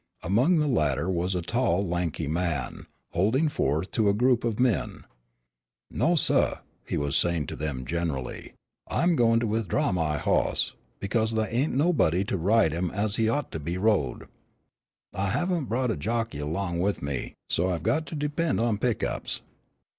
Among the latter was a tall, lanky man, holding forth to a group of men. "No, suh," he was saying to them generally, "I'm goin' to withdraw my hoss, because thaih ain't nobody to ride him as he ought to be rode. I haven't brought a jockey along with me, so I've got to depend on pick ups.